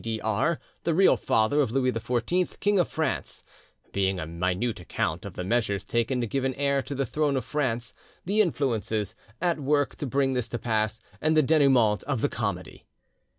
D. R., the Real Father of Louis XIV, King of France; being a Minute Account of the Measures taken to give an Heir to the Throne of France, the Influences at Work to bring this to pass, and the Denoument of the Comedy'.